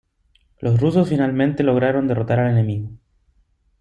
Los rusos finalmente lograron derrotar al enemigo.